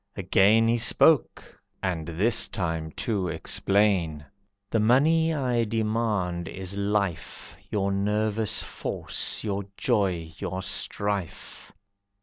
Again He spoke, and this time to explain. "The money I demand is Life, Your nervous force, your joy, your strife!"